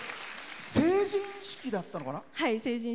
成人式だったのかな？